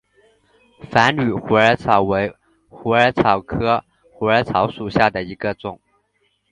繁缕虎耳草为虎耳草科虎耳草属下的一个种。